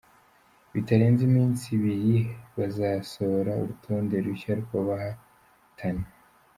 Bitarenze iminsi ibiri bazasohora urutonde rushya rw’abahatana.